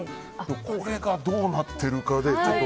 これがどうなってるかで。